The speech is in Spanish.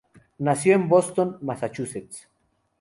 Nació en Boston, Massachusetts.